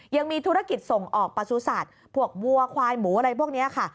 ยังมีธุรกิจส่งออกประสุทธิ์พวกวัวควายหมูอะไรพวกนี้ค่ะ